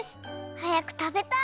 はやくたべたい！